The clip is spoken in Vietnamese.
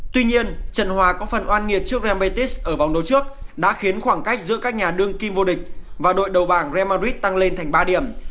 tuy nhiên trận hòa có phần oan nghiệt trước real betis ở vòng đấu trước đã khiến khoảng cách giữa các nhà đương kim vô địch và đội đầu bảng real madrid tăng lên thành ba điểm